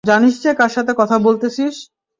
জানিস যে কার সাথে কথা বলতেসিস?